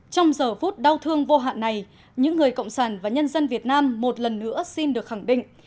trong giờ phút đau thương vô hạn này những người cộng sản và nhân dân việt nam một lần nữa xin được khẳng định